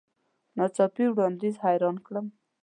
نا څاپي وړاندیز حیران کړم .